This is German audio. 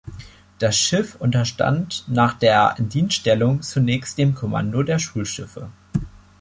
Das Schiff unterstand nach der Indienststellung zunächst dem Kommando der Schulschiffe.